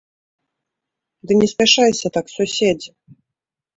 Ды не спяшайся так, суседзе!